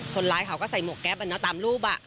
คนร้ายเขาก็ใส่หมวกแก๊ปอ่ะเนาะตามรูปอ่ะ